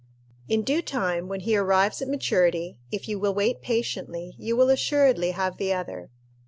In due time, when he arrives at maturity, if you will wait patiently, you will assuredly have the other.